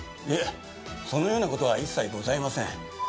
いえそのような事は一切ございません。